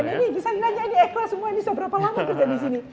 dan ini bisa dinyanyi ikhlas semua ini sudah berapa lama kita di sini